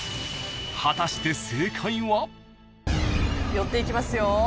［果たして正解は］寄っていきますよ。